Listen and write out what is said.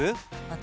私？